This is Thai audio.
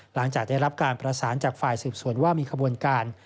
หลังจากได้รับการประสานจากฝ่ายสืบสวนว่ามีขบวนการ